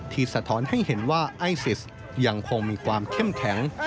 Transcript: สะท้อนให้เห็นว่าไอซิสยังคงมีความเข้มแข็ง